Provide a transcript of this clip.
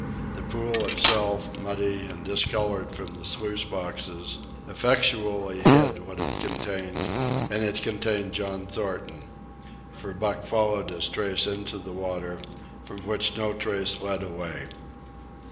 The pool itself, muddy and discolored from the sluice boxes, effectually hid what it contained, and it contained John Thornton; for Buck followed his trace into the water, from which no trace led away.